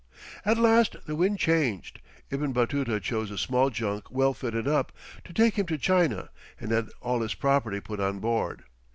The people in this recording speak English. At last the wind changed; Ibn Batuta chose a small junk well fitted up, to take him to China, and had all his property put on board.